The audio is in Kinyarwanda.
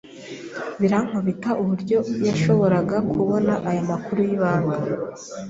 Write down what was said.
Birankubita uburyo yashoboraga kubona ayo makuru y'ibanga.